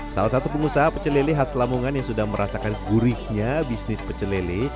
salah satu pengusaha pecelele khas lamongan yang sudah merasakan gurihnya bisnis pecelele